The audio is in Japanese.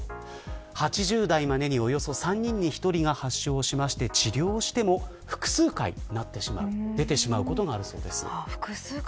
８０代までに、およそ３人に１人が発症しまして治療しても、複数回なってしまうこともあるそうです。